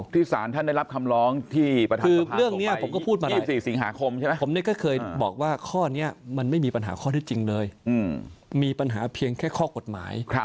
อย่างที่สารท่านได้รับคำล้องที่ประธานภาคสุทธิ์ไป๒๔สี่สิงหาคมถูกคือเรื่องที่เอา